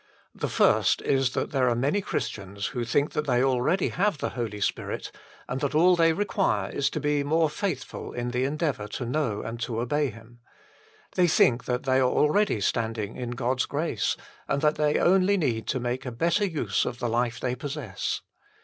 The first is that there are many Christians who think that they already have the Holy Spirit, and that all they require is to be more faithful in the endeavour to know and to obey 80 THE FULL BLESSING OF PENTECOST Him. They think that they are already stand ing in God s grace, and that they only need to make a better use of the life they possess.